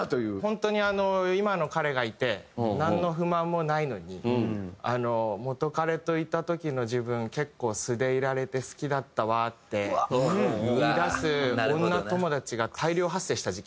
本当に今の彼がいてなんの不満もないのに「元彼といた時の自分結構素でいられて好きだったわ」って言いだす女友達が大量発生した時期があってですね。